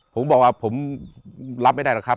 ผมบอกว่าผมรับไม่ได้หรอกครับ